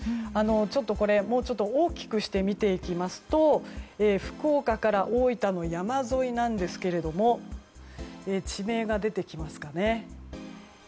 ちょっと、もう少し大きくして見ていきますと福岡から大分の山沿いなんですが地名が出てきますかね。